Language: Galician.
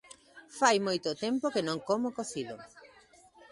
Fai moito tempo que non como cocido.